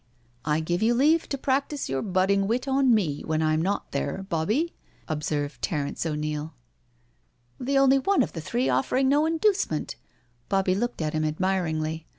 " I give you leave to practise your budding wit on me, when I am not there, Bobbie/' observed Ter ence O'Neil. " The only one of the three offering no inducement I '* Bobbie looked at him admiringly.